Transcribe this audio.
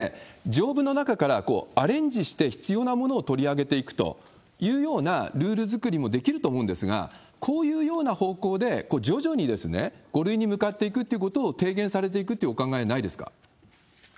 例えば以前のように指定感染症に戻して、それで条文の中からアレンジして必要なものを取り上げていくというようなルール作りもできると思うんですが、こういうような方向で徐々に５類に向かっていくということを提言されていくっていうお考えはないですか。